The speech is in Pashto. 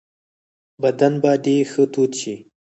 بدن به دي ښه تود شي .